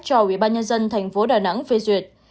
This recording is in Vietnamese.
cho ubnd tp đà nẵng phê duyệt